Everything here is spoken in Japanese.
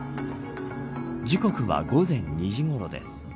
時刻は午前２時ごろです。